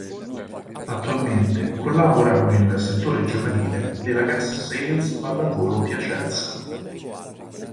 Attualmente collabora con il settore giovanile della Gas Sales Pallavolo Piacenza.